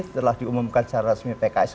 telah diumumkan secara resmi pks